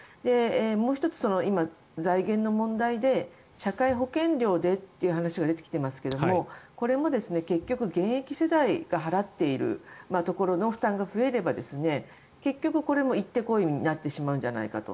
もう１つ、今、財源の問題で社会保険料でという話が出てきていますが、これも結局現役世代が払っているところの負担が増えれば結局これも行って来いになってしまうんじゃないかと。